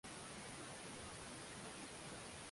kauli ya kupuuza ki mikakati ambayo inachukuliwa na au